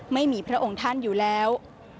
ไม่มีพระองค์ท่านอยู่แล้ว